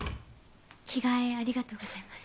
着替えありがとうございます。